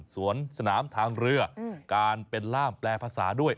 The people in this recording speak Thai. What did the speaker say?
สวนสนามทางเรือการเป็นล่ามแปลภาษาด้วย